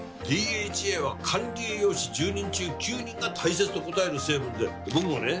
ＤＨＡは管理栄養士１０人中９人が大切と答える成分で僕もね